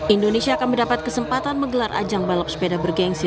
indonesia akan mendapat kesempatan menggelar ajang balap sepeda bergensi